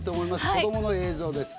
子どもの映像です。